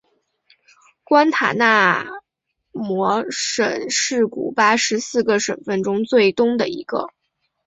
关塔那摩省是古巴十四个省份中最东的一个。